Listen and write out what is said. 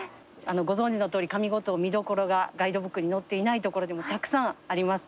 ご存じのとおり上五島見どころがガイドブックに載っていない所でもたくさんあります。